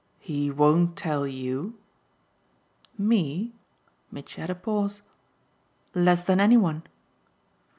"He won't tell YOU?" "Me?" Mitchy had a pause. "Less than any one."